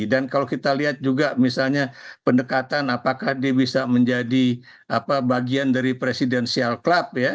dan kalau kita lihat juga misalnya pendekatan apakah dia bisa menjadi bagian dari presidensial klub ya